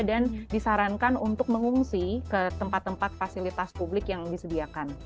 dan disarankan untuk mengungsi ke tempat tempat fasilitas publik yang disediakan